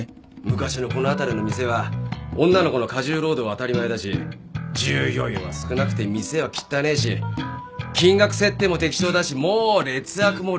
昔のこの辺りの店は女の子の過重労働は当たり前だし従業員は少なくて店はきったねえし金額設定も適当だしもう劣悪も劣悪よ